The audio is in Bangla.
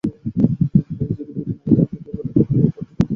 যে গিরগিটি মুহুর্তে মুহুর্তে রঙ বদলায় তার দিকেও মানুষ এভাবে তাকায় না।